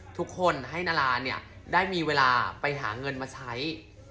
ทุกคนให้นาราเนี่ยได้มีเวลาไปหาเงินมาใช้